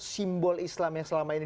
simbol islam yang selama ini